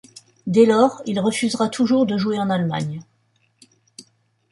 Dès lors, il refusera toujours de jouer en Allemagne.